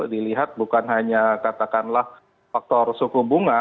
dilihat bukan hanya katakanlah faktor suku bunga